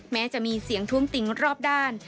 แม้จะมีเสียงท้วงติงรอบด้าน